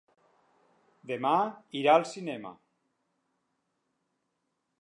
Demà irà al cinema.